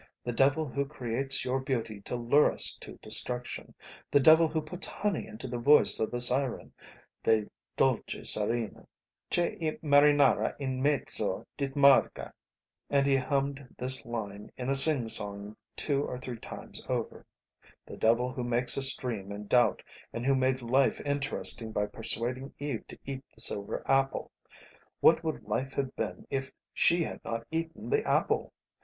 "The devil who creates your beauty to lure us to destruction, the devil who puts honey into the voice of the siren, the dolce sirena "Che i marinari in mezzo il mar dismaga" (and he hummed this line in a sing song two or three times over) "the devil who makes us dream and doubt, and who made life interesting by persuading Eve to eat the silver apple what would life have been if she had not eaten the apple?